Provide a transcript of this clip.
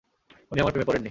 উনি আমার প্রেমে পড়েননি।